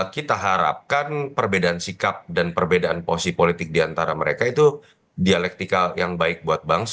kita harapkan perbedaan sikap dan perbedaan posisi politik diantara mereka itu dialektika yang baik buat bangsa